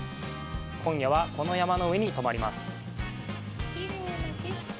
今夜は、この山の上に泊まります。